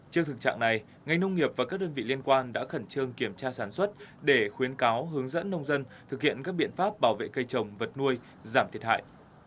trước thực trạng này ngành nông nghiệp và các đơn vị liên quan đã khẩn trương kiểm tra sản xuất để khuyến cáo hướng dẫn nông dân thực hiện các biện pháp bảo vệ cây trồng vật nuôi giảm thiệt hại